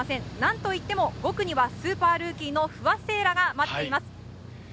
といっても奥にはスーパールーキーの不破聖衣来が待っています。